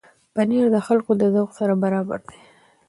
پنېر د خلکو د ذوق سره برابر دی.